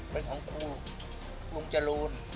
เป็นของครูลุงจรูน